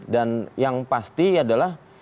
dan yang pasti adalah